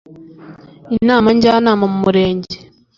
inama njyanama mu murenge